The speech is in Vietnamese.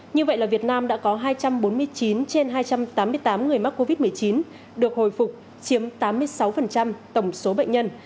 như vậy là việt nam đã có hai trăm bốn mươi chín trên hai trăm tám mươi tám người mắc covid một mươi chín được hồi phục chiếm tám mươi sáu tổng số bệnh nhân